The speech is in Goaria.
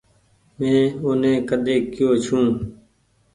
مين اوني ڪۮي ڪي يو ڇون۔